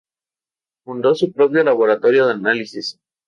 Fundó su propio laboratorio de análisis.